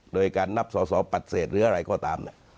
โดยการนับสอปัดเศษหรืออะไรก็ตามเนี่ย